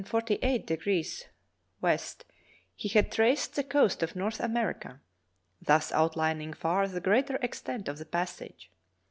— he had traced the coast of North America, thus outlining far the greater extent of the passage.